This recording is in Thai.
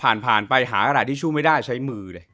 ผ่านผ่านไปหากระดาษทิชชู่ไม่ได้ใช้มือเลย